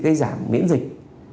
gây giảm miễn dịch